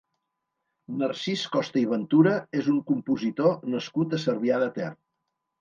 Narcís Costa i Ventura és un compositor nascut a Cervià de Ter.